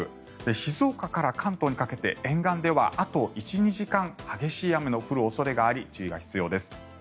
静岡から関東にかけて沿岸ではあと１２時間激しい雨の降る恐れがあり注意が必要です。